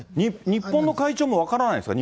日本の会長も分からないんですか？